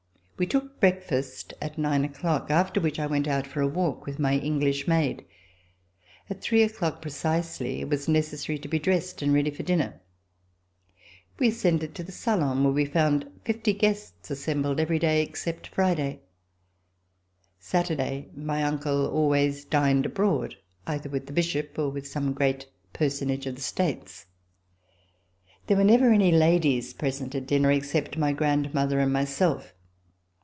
We took breakfast at nine o'clock, after which I went out for a walk with my English maid. At three o'clock precisely, it was necessary to be dressed and ready for dinner. We ascended to the salon where we found fifty guests assembled every day except Friday. Saturday my uncle always dined abroad, either with the Bishop or with some great personage of the States. There were never any ladies present at dinner, except my grandmother and myself.